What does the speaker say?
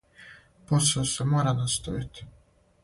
Посао се мора наставити.